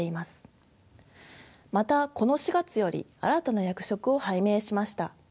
またこの４月より新たな役職を拝命しました。